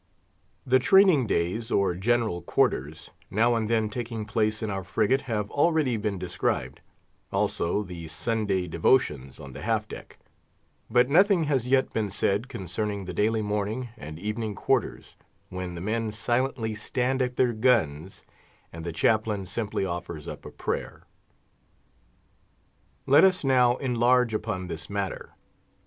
The training days, or general quarters, now and then taking place in our frigate, have already been described, also the Sunday devotions on the half deck; but nothing has yet been said concerning the daily morning and evening quarters, when the men silently stand at their guns, and the chaplain simply offers up a prayer. Let us now enlarge upon this matter.